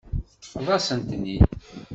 Teṭṭfeḍ-asen-ten-id.